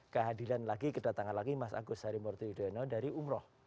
kehadilan lagi kedatangan lagi mas agus sari murti udeno dari umroh